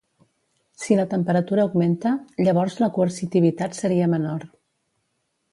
Si la temperatura augmenta, llavors la coercitivitat seria menor.